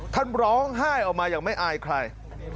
ท่านร้องไห้ออกมาอย่างไม่อายใคร